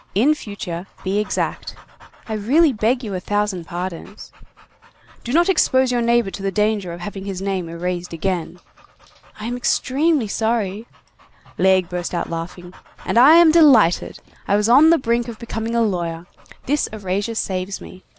In future, be exact." "I really beg you a thousand pardons." "Do not expose your neighbor to the danger of having his name erased again." "I am extremely sorry—" Laigle burst out laughing. "And I am delighted. I was on the brink of becoming a lawyer. This erasure saves me.